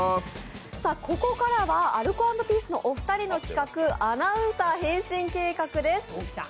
ここからはアルコ＆ピースのお二人の企画アナウンサー変身計画です。